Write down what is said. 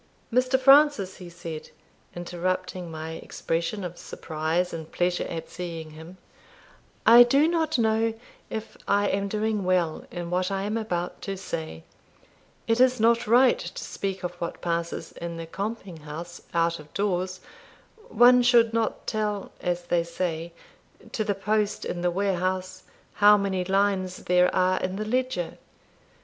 "Mr. Francis," he said, interrupting my expression of surprise and pleasure at seeing, him, "I do not know if I am doing well in what I am about to say it is not right to speak of what passes in the compting house out of doors one should not tell, as they say, to the post in the warehouse, how many lines there are in the ledger.